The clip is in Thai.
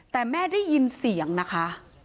แต่แม่ได้ยินเสียงนะคะ